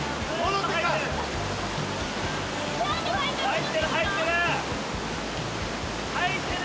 入ってる入ってる。